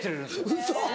ウソ！